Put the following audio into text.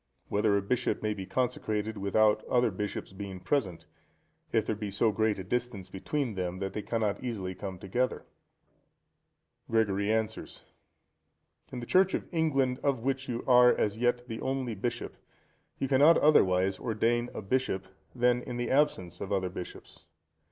_—Whether a bishop may be consecrated without other bishops being present, if there be so great a distance between them, that they cannot easily come together? Gregory answers.—In the Church of England, of which you are as yet the only bishop, you cannot otherwise ordain a bishop than in the absence of other bishops.